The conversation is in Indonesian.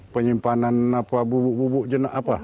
penyimpanan bubuk bubuk jenuk apa